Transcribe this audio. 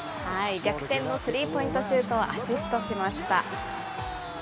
逆転のスリーポイントシュートをアシストしました。